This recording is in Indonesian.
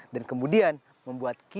dan kemudian membuat kita berpikir